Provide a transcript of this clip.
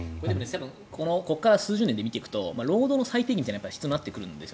ここから数十年で見ていくと労働の再定義が必要になってくると思うんです。